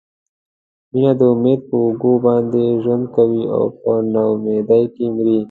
مینه د امید پر اوږو باندې ژوند کوي او په نا امیدۍ کې مري.